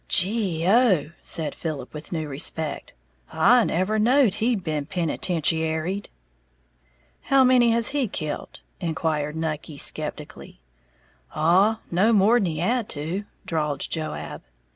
"Gee oh," said Philip, with new respect, "I never knowed he'd been penitentiaried." "How many has he kilt?" inquired Nucky, skeptically. "Oh, no more'n he had to," drawled Joab.